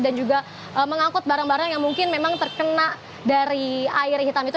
juga mengangkut barang barang yang mungkin memang terkena dari air hitam itu